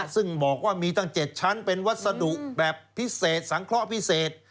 ซึ่งบอกว่ามีตั้ง๗ชั้นเป็นวัสดุแบบพิเศษสังเคราะห์พิเศษ